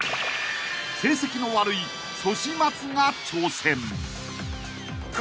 ［成績の悪いソシ松が挑戦］